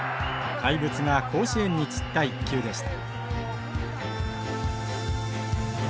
怪物が甲子園に散った一球でした。